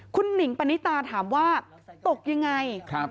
คุณหนิงปณิตาถามว่าตกยังไง